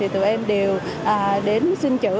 tụi em đều đến xin chữ